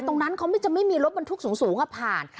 ตรงนั้นเขาจะไม่มีรถบรรทุกสูงผ่าน